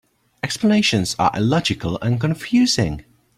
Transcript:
Explanations are illogical and confusing.